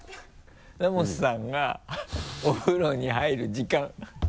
ラモスさんがお風呂に入る時間。